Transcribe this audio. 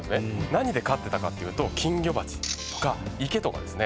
何で飼ってたかっていうと金魚鉢とか池とかですね。